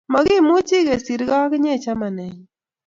Makimuchi kesirkei ak inye chamanenyu